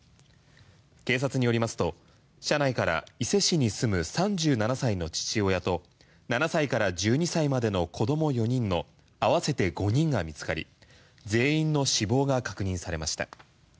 警察によりますと車内から伊勢市に住む３７歳の父親と７歳から１２歳までの子ども４人のあわせて５人が見つかり全員の死亡が確認されました。